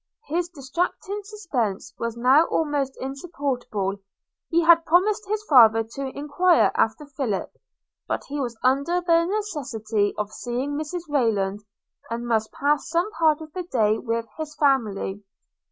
– His distracting suspense was now almost insupportable. He had promised his father to enquire after Philip; he was under the necessity of seeing Mrs Rayland; and must pass some part of the day with his family.